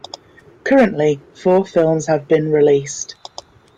Currently four films have been released.